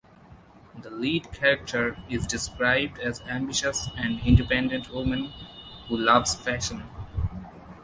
The lead character is described as ambitious and independent woman who loves fashion.